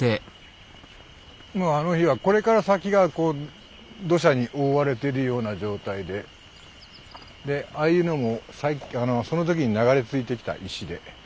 もうあの日はこれから先がこう土砂に覆われてるような状態ででああいうのもその時に流れ着いてきた石で。